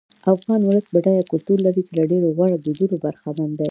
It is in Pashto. افغان ولس بډای کلتور لري چې له ډېرو غوره دودونو برخمن دی.